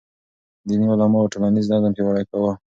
دیني علماو ټولنیز نظم پیاوړی کاوه.